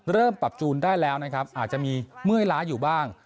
ปรับจูนได้แล้วนะครับอาจจะมีเมื่อยล้าอยู่บ้าง